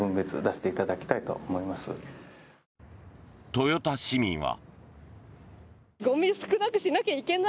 豊田市民は。